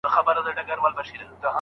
شاګرد د موضوع اړوند یاداښتونه زیاتوي.